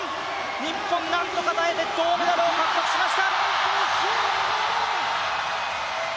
日本、なんとか耐えて銅メダルを獲得しました！